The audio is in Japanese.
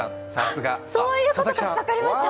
そういうことか、分かりました。